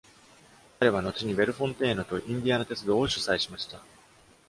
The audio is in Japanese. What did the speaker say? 彼は後にベルフォンテーヌとインディアナ鉄道を主催しました。